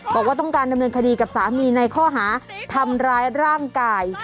บอกว่าต้องการดำเนินคดีกับสามีในข้อหาทำร้ายร่างกาย